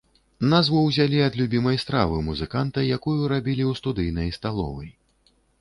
Назву ўзялі ад любімай стравы музыканта, якую рабілі ў студыйнай сталовай.